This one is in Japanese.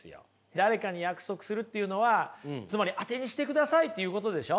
誰かに約束するっていうのはつまりアテにしてくださいっていうことでしょ。